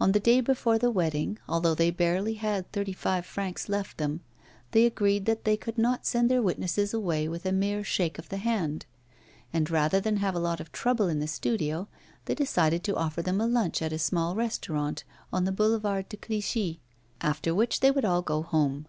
On the day before the wedding, although they barely had thirty five francs left them, they agreed that they could not send their witnesses away with a mere shake of the hand; and, rather than have a lot of trouble in the studio, they decided to offer them lunch at a small restaurant on the Boulevard de Clichy, after which they would all go home.